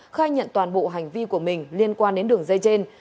khai nhận toàn bộ hành vi của mình liên quan đến đường dây trên